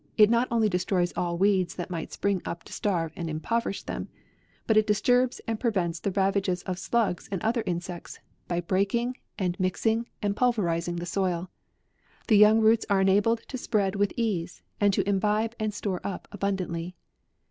It not only destroys all weeds that might spring up to star\e and impoverish them, but it disturbs and prevents the rava ges of slugs and other insects ; and by break ing, mixing, and pulverising the soil, the young roots are enabled to spread with ease, and to imbibe and store up abundantly.